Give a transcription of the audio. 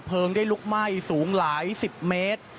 ได้ลุกไหม้สูงหลายสิบเมตร